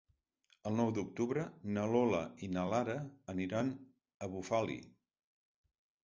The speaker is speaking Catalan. El nou d'octubre na Lola i na Lara aniran a Bufali.